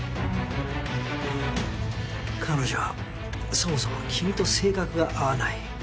彼女はそもそも君と性格が合わない。